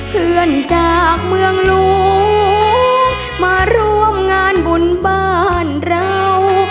เพื่อนจากเมืองหลวงมาร่วมงานบุญบ้านเรา